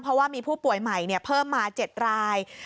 เพราะว่ามีผู้ป่วยใหม่เพิ่มมา๗ราย